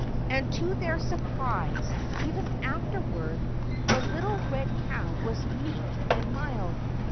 And to their surprise, ever afterward the little red cow was meek and mild.